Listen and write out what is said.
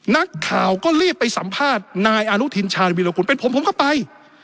นักข่าวก็รีบไปสัมภาษณ์นายอนุทินชาญวิรากุลเป็นผมผมก็ไป